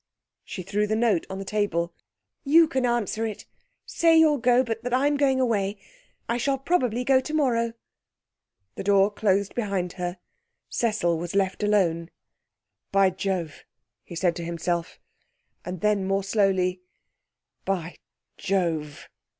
She threw the note on the table. 'You can answer it! Say you'll go, but that I am going away. I shall probably go tomorrow.' The door closed behind her. Cecil was left alone. 'By Jove!' he said to himself; and then more slowly, 'By Jove!'